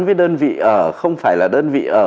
với đơn vị ở không phải là đơn vị ở